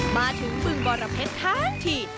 มาถึงเบื้องบรเผชทั้งที่